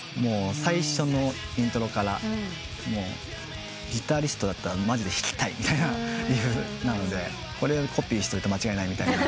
最初のイントロからギタリストだったらマジで弾きたいみたいなリフなのでこれをコピーしといて間違いないみたいな。